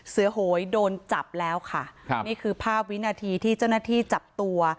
โหยโดนจับแล้วค่ะครับนี่คือภาพวินาทีที่เจ้าหน้าที่จับตัว